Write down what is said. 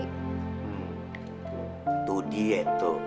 hmm itu dia tuh